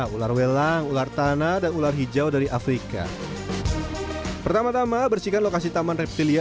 ular welang ular tanah dan ular hijau dari afrika pertama tama bersihkan lokasi taman reptilia